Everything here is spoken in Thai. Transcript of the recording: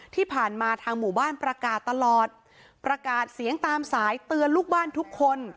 ที่ผ่านมาทางหมู่บ้านประกาศตลอดประกาศเสียงตามสายเตือนลูกบ้านทุกคน